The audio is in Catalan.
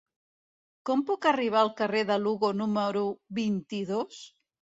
Com puc arribar al carrer de Lugo número vint-i-dos?